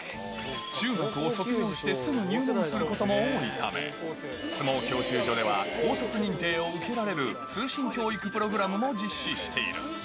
中学を卒業してすぐ入門することも多いため、相撲教習所では、高卒認定を受けられる通信教育プログラムも実施している。